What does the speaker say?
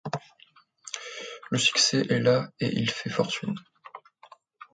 Le succès est là est il fait fortune.